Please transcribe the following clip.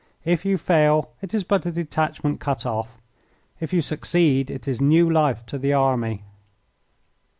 If you fail it is but a detachment cut off. If you succeed it is new life to the army."